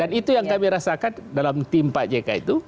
dan itu yang kami rasakan dalam tim pak jeka itu